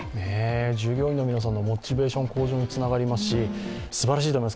従業員の皆さんのモチベーション向上につながりますしすばらしいと思います。